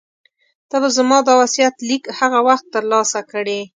ته به زما دا وصیت لیک هغه وخت ترلاسه کړې.